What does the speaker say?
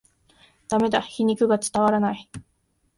ダメだ、皮肉が伝わらない